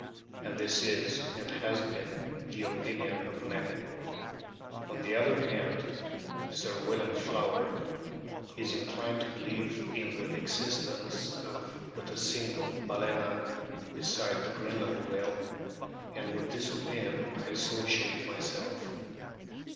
And this is and has been the opinion of many. On the other hand, Sir William Flower is inclined to believe in the existence of but a single Balccna besides the Greenland whale, and with this opinion I associate myself.